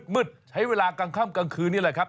มืดใช้เวลากลางค่ำกลางคืนนี่แหละครับ